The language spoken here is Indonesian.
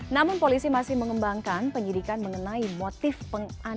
namun polisi masih mengembangkan penyidikan mengenai motif penganiayaan